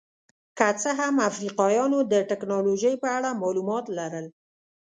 که څه هم افریقایانو د ټکنالوژۍ په اړه معلومات لرل.